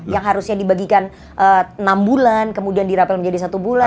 yang harusnya dibagikan enam bulan kemudian dirapel menjadi satu bulan